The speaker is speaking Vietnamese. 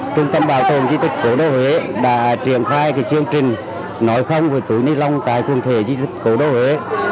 trung tâm bảo tồn di tích cổ đô huế đã triển khai chương trình nói không với túi ni lông tại quần thể di tích cổ đô huế